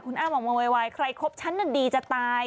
อ้ามออกมาโวยวายใครคบฉันน่ะดีจะตาย